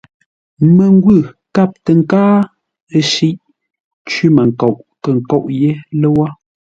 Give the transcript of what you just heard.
Məngwʉ̂ kâp tə nkáa, ə́ shíʼ; cwímənkoʼ kə̂ nkóʼ yé lə́wó.